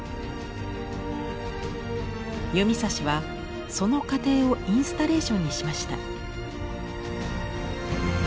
弓指はその過程をインスタレーションにしました。